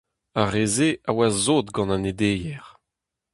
Ar re-se a oa sot gant an edeier.